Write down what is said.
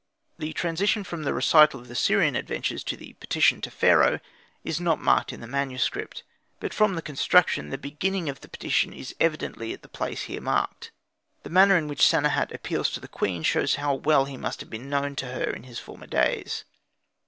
The transition from the recital of the Syrian adventures to the petition to Pharaoh is not marked in the manuscript; but from the construction the beginning of the petition is evidently at the place here marked. The manner in which Sanehat appeals to the queen shows how well he must have been known to her in his former days.